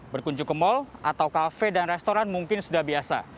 berkunjung ke mal atau kafe dan restoran mungkin sudah biasa